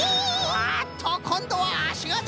あっとこんどはあしがでた！